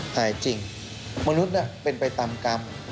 หายจริงมนุษย์เป็นไปตามกรรม